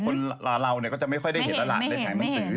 คนลาเราก็จะไม่ค่อยได้เห็นละในถ่ายหนังสือ